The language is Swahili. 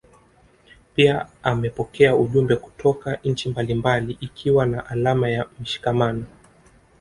Pia amepokea ujumbe kutoka nchi mbalimbali ikiwa ni alama ya mshikamano